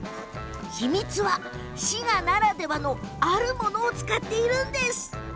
秘密は、滋賀ならではのあるものを使っていること。